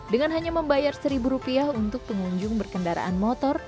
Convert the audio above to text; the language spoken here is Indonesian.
dengan hanya membayar rp satu untuk pengunjung berkendaraan motor